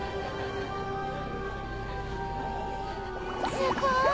すごーい！